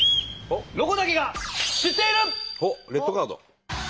おっレッドカード。